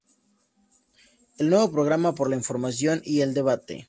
El nuevo programa por la información y el debate.